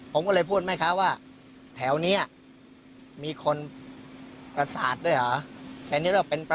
ผมก็เลยพูดแม่ค้าว่าแถวนี้มีคนประสาทด้วยเหรอ